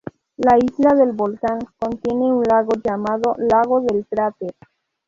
La isla del volcán contiene un lago llamado Lago del cráter.